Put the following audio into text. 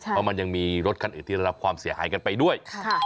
เพราะมันยังมีรถคันอื่นที่ได้รับความเสียหายกันไปด้วย